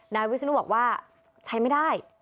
นายวิศนุบอกว่าใช้ไม่ได้